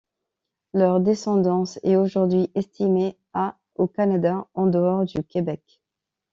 Leur descendance est aujourd’hui estimée à au Canada, en dehors du Québec.